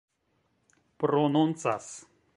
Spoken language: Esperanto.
prononcas